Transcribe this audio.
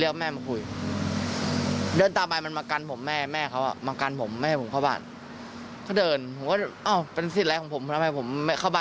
คือพ่อแม่เขามามันล็อคเรา